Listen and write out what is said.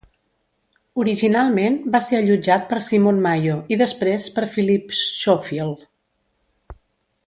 Originalment va ser allotjat per Simon Mayo i després per Phillip Schofield.